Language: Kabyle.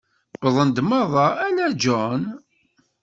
Wwḍen-d merra, ala John.